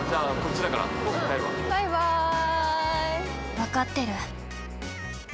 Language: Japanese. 分かってる。